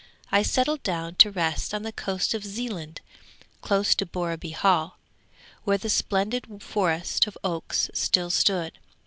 I settled down to rest on the coast of Zealand close to Borreby Hall, where the splendid forest of oaks still stood.